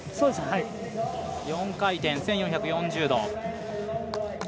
４回転、１４４０度。